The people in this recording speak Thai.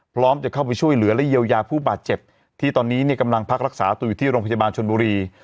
พร้อมจะเข้าไปช่วยเหลือและเยียวยาผู้บาดเจ็บที่ตอนนี้เนี่ยกำลังพักรักษาตัวอยู่ที่โรงพยาบาลชนบุรี